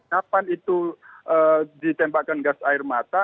kapan itu ditembakkan gas air mata